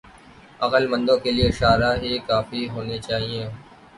عقلمندوں کے لئے اشارے ہی کافی ہونے چاہئیں۔